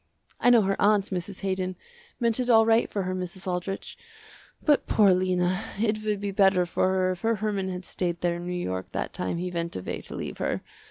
I know her aunt, Mrs. Haydon, meant it all right for her Mrs. Aldrich, but poor Lena, it would be better for her if her Herman had stayed there in New York that time he went away to leave her.